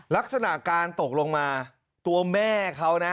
ลักษณะการตกลงมาตัวแม่เขานะ